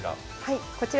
こちら。